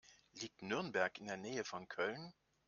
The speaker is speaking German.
Liegt Nürnberg in der Nähe von Köln?